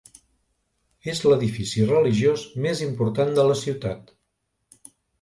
És l'edifici religiós més important de la ciutat.